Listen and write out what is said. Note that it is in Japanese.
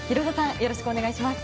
よろしくお願いします。